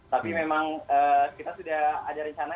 tapi memang kita sudah ada rencana